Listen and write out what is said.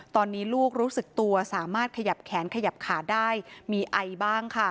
ตอนนี้ลูกรู้สึกตัวสามารถขยับแขนขยับขาได้มีไอบ้างค่ะ